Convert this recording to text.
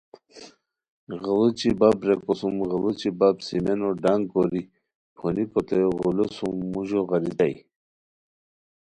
غیڑوچی بپ ریکو سُم غیڑوچی بپ سیمینو ڈانگ کوری پھونیکوتے غولو سُم موژو غیرتائے